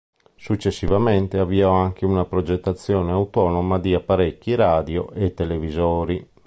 Successivamente avviò anche una progettazione autonoma di apparecchi radio e televisori.